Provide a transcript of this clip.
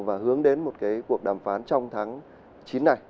và hướng đến một cái cuộc đàm phán trong tháng chín này